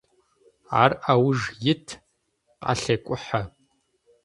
Ар ауж ит, къалъекӏухьэ.